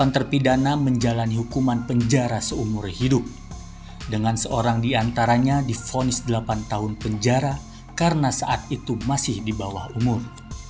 delapan terpidana menjalani hukuman penjara seumur hidup dengan seorang diantaranya difonis delapan tahun penjara karena saat itu masih di bawah umur